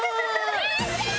やったー！